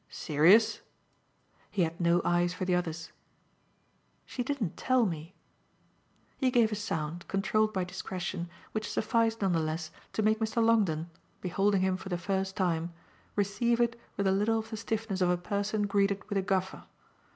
"Serious?" he had no eyes for the others. "She didn't tell me." He gave a sound, controlled by discretion, which sufficed none the less to make Mr. Longdon beholding him for the first time receive it with a little of the stiffness of a person greeted with a guffaw.